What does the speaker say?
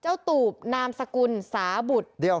ตูบนามสกุลสาบุตร